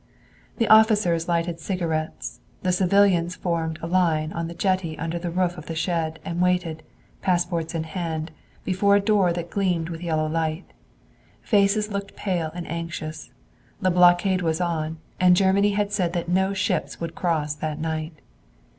The officers lighted cigarettes. The civilians formed a line on the jetty under the roof of the shed, and waited, passports in hand, before a door that gleamed with yellow light. Faces looked pale and anxious. The blockade was on, and Germany had said that no ships would cross that night.